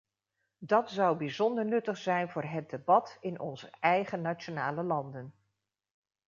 Dat zou bijzonder nuttig zijn voor het debat in onze eigen nationale landen.